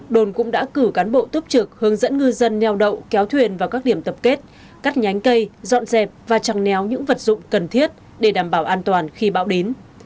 đồn cũng đã cử cán bộ tốt trực hướng dẫn ngư dân neo đậu kéo thuyền vào các điểm tập kết cắt nhánh cây dọn dẹp và chẳng néo những vật dụng cần thiết để đảm bảo an toàn khi bão đến